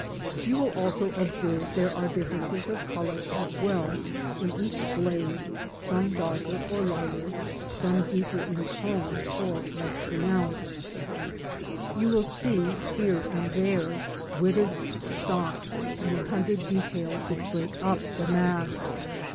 You will also observe there are differences of colour as well in each blade, some darker or lighter, some deeper in tone or less pronounced. You 74 LANDSCAPE PAINTING IN OIL COLOUR. will see here and there withered stalks and a hundred details which break up the mass.